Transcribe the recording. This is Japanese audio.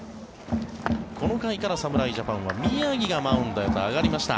この回から侍ジャパンは宮城がマウンドへと上がりました。